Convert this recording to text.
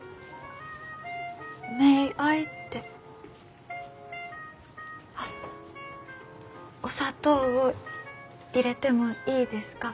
メイアイってあっ「お砂糖を入れてもいいですか？」。